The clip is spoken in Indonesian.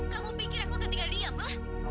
kamu pikir aku akan tinggal diam mah